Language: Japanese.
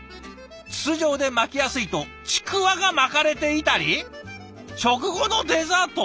筒状で巻きやすいとちくわが巻かれていたり食後のデザート！？